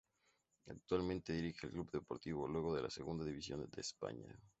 Actualmente dirige al Club Deportivo Lugo de la Segunda División de España.